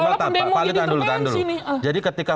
banget tapi paling terbaik sini jadi ketika